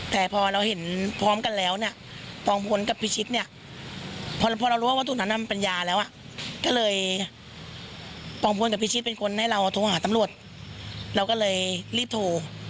แต่พอเราเห็นพร้อมกันแล้วเนี่ยปองพลกับพิชิตเนี่ยพอเรารู้ว่าวัตถุนั้นมันเป็นยาแล้วก็เลยปองพลกับพิชิตเป็นคนให้เราโทรหาตำรวจเราก็เลยรีบโทร